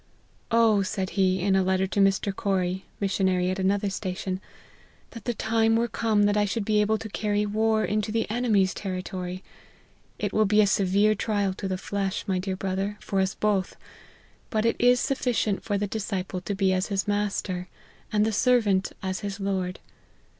" O," said he, in a letter to Mr. Corrie, missionary at another station, " that the time were come that I should be able to carry the war into the enemy's LIFE OP HENRY MARTYN. 95 territory. It will be a severe trial to the flesh, my dear brother, for us both ; but it is sufficient for the disciple to be as his master, and the servant as his Lord.